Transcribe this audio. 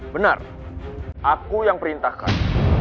benar aku yang perintahkan